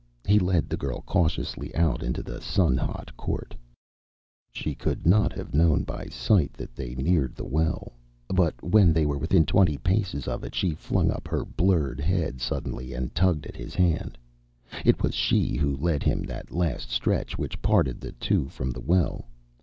He led the girl cautiously out into the sun hot court. She could not have known by sight that they neared the well, but when they were within twenty paces of it she flung up her blurred head suddenly and tugged at his hand. It was she who led him that last stretch which parted the two from the well.